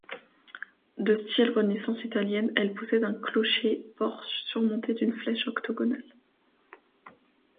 De style renaissance italienne, elle possède un clocher-porche surmonté d'une flèche octogonale.